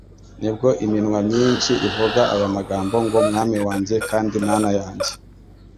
nibwo iminwa myinshi ivuga aya magambo ngo : "Mwami wanjye kandi Mana yanjye!"